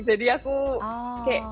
jadi aku kayak